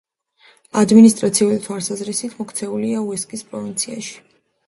ადმინისტრაციული თვალსაზრისით მოქცეულია უესკის პროვინციაში.